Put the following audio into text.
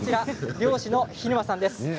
漁師の日沼さんです。